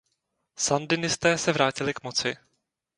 Sandinisté se vrátili k moci.